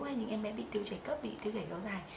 hay những em bé bị tiêu chảy cấp bị tiêu chảy kéo dài